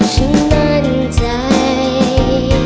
ฉันมั่นใจ